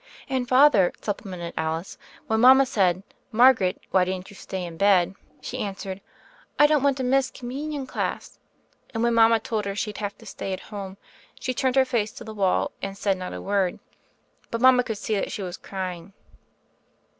"And, Father,' supplemented Alice, "when mama said 'Margaret, why didn't you stay in I02 THE FAIRY OF THE SNOWS bed?' she answered, *I don't want to miss Com munion class.' And when mama told her she'd have to stay at home, she turned her face to the wall, and said not a word. But mama could see that she was crying."